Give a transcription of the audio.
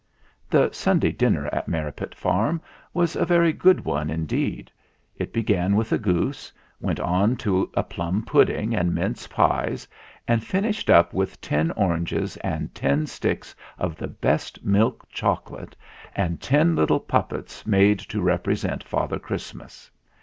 The Sunday dinner at Merripit Farm was a very good one indeed. It began with a goose, went on to a plum pudding and mince pies, and finished up with ten oranges and ten sticks of the best milk chocolate and ten little puppets made to represent Father Christmas.